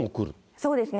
そうですね。